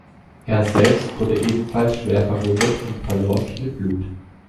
Er selbst wurde ebenfalls schwer verwundet und verlor viel Blut.